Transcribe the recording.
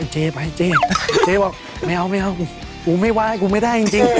เจ๊ไปเจ๊เจ๊บอกไม่เอาผมไม่ว้ายผมไม่ได้จริง